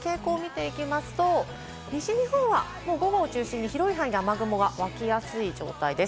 天気の傾向を見ていきますと、西日本は午後を中心に広い範囲で雨雲がわきやすい状態です。